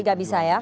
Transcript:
jadi gak bisa ya